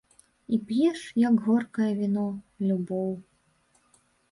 І п'еш, як горкае віно, любоў.